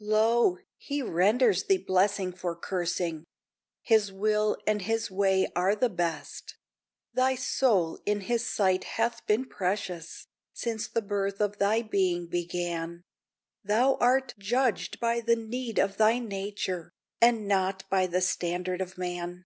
Lo! he renders thee blessing for cursing! His will and His way are the best. Thy soul in His sight hath been precious, Since the birth of thy being began; Thou art judged by the need of thy nature, And not by the standard of man."